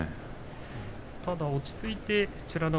ただ落ち着いて美ノ